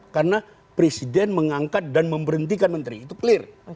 karena presiden mengangkat dan memberhentikan menteri itu clear